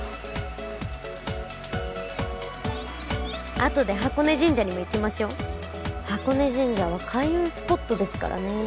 あとで箱根神社にも行きましょう箱根神社は開運スポットですからね